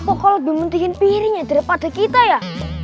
pokoknya lebih penting piringnya daripada kita ya